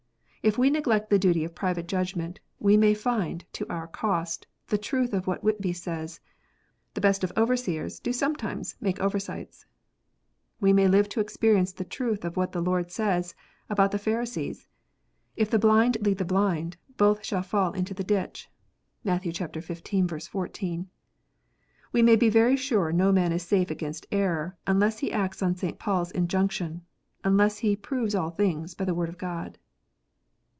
If we neglect the duty of private judgment, we may find, to our cost, the truth of what Whitby says :" The best of overseers do sometimes make over sights." We may live to experience the truth of what the Lord said about the Pharisees :" If the blind lead the blind, both shall fall into the ditch." (Matt. xv. 14.) We may be very sure no man is safe against error, unless he acts on St. Paul s injunction, unless he " proves all things " by the Word of God.